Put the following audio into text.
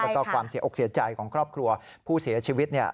แล้วก็ความเสียอกเสียใจของครอบครัวผู้เสียชีวิต